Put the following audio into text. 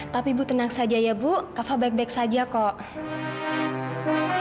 tapi ibu tenang saja ya bu apa baik baik saja kok